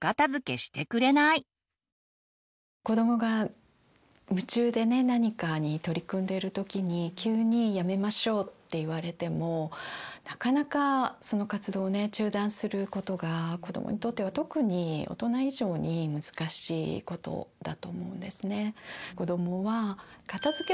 子どもが夢中で何かに取り組んでる時に急にやめましょうって言われてもなかなかその活動を中断することが子どもにとっては特に大人以上に難しいことだと思うんですね。